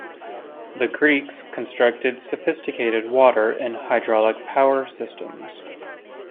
The Greeks constructed sophisticated water and hydraulic power systems.